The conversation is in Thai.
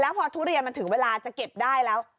แล้วพอทุเรียนถึงเวลาจะเก็บได้แล้ว